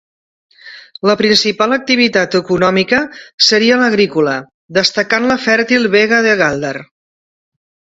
La principal activitat econòmica seria l'agrícola, destacant la fèrtil Vega de Gáldar.